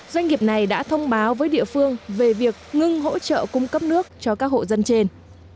doanh nghiệp này đã thông báo với địa phương về việc ngưng hỗ trợ cung cấp nước cho các hộ dân trên